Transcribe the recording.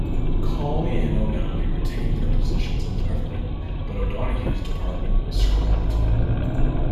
Colley and O'Malley retained their positions in the government, but O'Donoghue's department was scrapped.